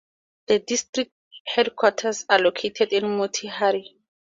The district headquarters are located at Motihari.